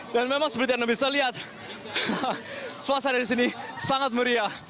dan memang seperti yang bisa dilihat suasana di sini sangat meriah